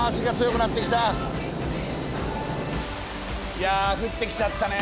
いや降ってきちゃったね。